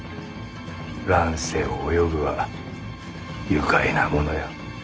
乱世を泳ぐは愉快なものよ。